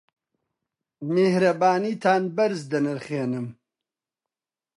میهرەبانیتان بەرز دەنرخێنم.